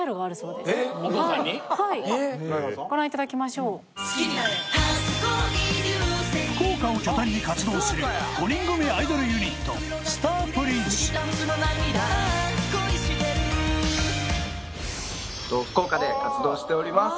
はいご覧いただきましょう福岡を拠点に活動する５人組アイドルユニット福岡で活動しております